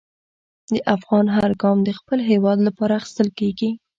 د افغان هر ګام د خپل هېواد لپاره اخیستل کېږي.